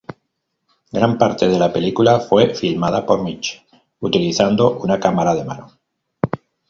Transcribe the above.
Gran parte de la película fue filmada por Mick utilizando una cámara de mano.